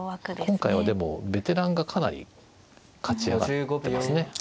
今回はでもベテランがかなり勝ち上がってますね。